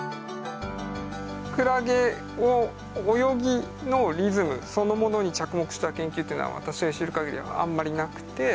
クラゲを泳ぎのリズムそのものに着目した研究っていうのは私が知る限りあんまりなくて。